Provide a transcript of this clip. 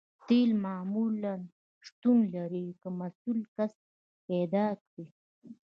تیل معمولاً شتون لري که مسؤل کس پیدا کړئ